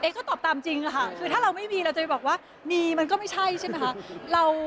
ก็ตอบตามจริงค่ะคือถ้าเราไม่มีเราจะบอกว่ามีมันก็ไม่ใช่ใช่ไหมคะ